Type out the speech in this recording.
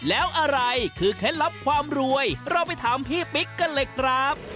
แล้วอะไรคือเคล็ดลับความรวยเราไปถามพี่ปิ๊กกันเลยครับ